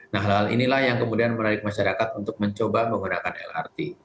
nah hal hal inilah yang kemudian menarik masyarakat untuk mencoba menggunakan lrt